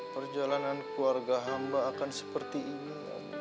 perjalanan keluarga hamba akan seperti ini